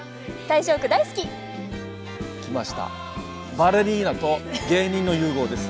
バレリーナと芸人の融合です。